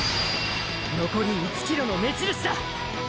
のこり１ｋｍの目印だ！！